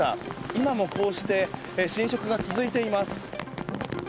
今もこうして浸食が続いています。